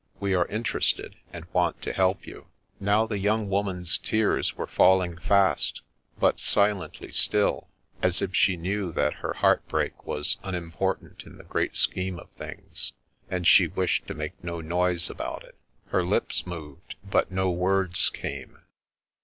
We are interested and want to help you." Now the young woman's tears were falling fast, but silently still, as if she knew that her heart break was unimportant in the great scheme of things, and she wished to make no noise about it. Her lips moved, but no words came.